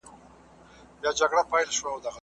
زه به اوږده موده د نوي لغتونو يادونه کړې وم!